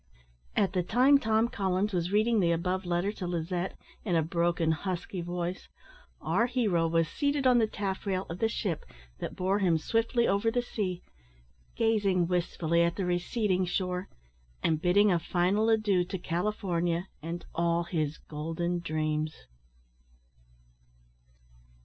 At the time Tom Collins was reading the above letter to Lizette, in a broken, husky voice, our hero was seated on the taffrail of the ship that bore him swiftly over the sea, gazing wistfully at the receding shore, and bidding a final adieu to California and all his golden dreams.